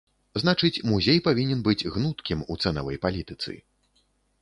Значыць, музей павінен быць гнуткім у цэнавай палітыцы.